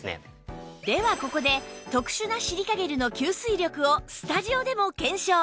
ではここで特殊なシリカゲルの吸水力をスタジオでも検証